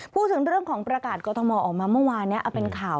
พูดถึงเรื่องของประกาศกฎาหมอออกมาเมื่อวานนี้